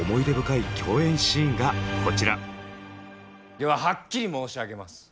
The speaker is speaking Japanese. でははっきり申し上げます。